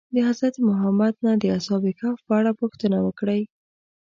د حضرت محمد نه د اصحاب کهف په اړه پوښتنه وکړئ.